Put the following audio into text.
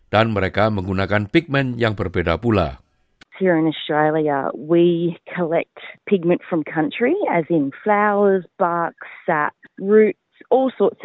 dan mereka menggunakan penelan yang berbeda beda